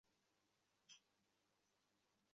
কোন জানালা এটা?